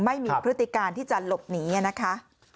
พฤติการที่จะหลบหนีนะคะ